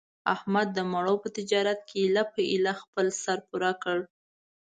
احمد د مڼو په تجارت کې ایله په ایله خپل سر پوره کړ.